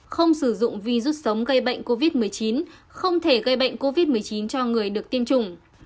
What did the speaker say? không sử dụng vi rút sống gây bệnh covid một mươi chín không thể gây bệnh covid một mươi chín cho người được tiêm chủng